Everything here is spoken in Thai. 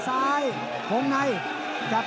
ตามต่อยกที่๓ครับ